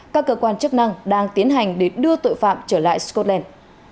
các cơ quan chức năng đang tiến hành để đưa tội phạm trở lại scotland